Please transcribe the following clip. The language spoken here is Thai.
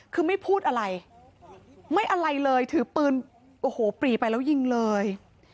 คือไม่พูดอะไรไม่อะไรเลยถือปืนโอ้โหปรีไปแล้วยิงเลย